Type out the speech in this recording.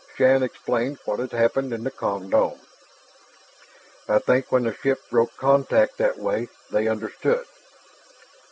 Shann explained what had happened in the com dome. "I think when the ship broke contact that way they understood."